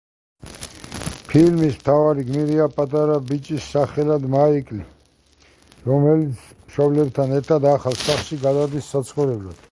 ფილმის მთავარი გმირია პატარა ბიჭი სახელად მაიკლი, რომელიც მშობლებთან ერთად ახალ სახლში გადადის საცხოვრებლად.